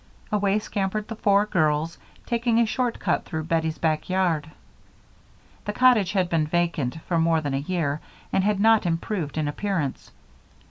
Away scampered the four girls, taking a short cut through Bettie's back yard. The cottage had been vacant for more than a year and had not improved in appearance.